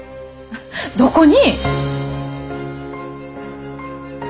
どこに？